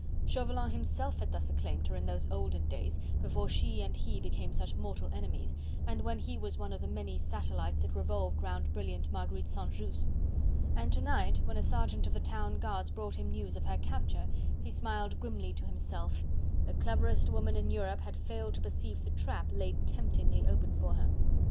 Chauvelin himself had thus acclaimed her, in those olden days, before she and he became such mortal enemies, and when he was one of the many satellites that revolved round brilliant Marguerite St. Just. And to night, when a sergeant of the town guards brought him news of her capture, he smiled grimly to himself; the cleverest woman in Europe had failed to perceive the trap laid temptingly open for her.